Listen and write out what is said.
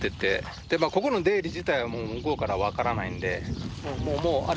ここの出入り自体はもう向こうからわからないので。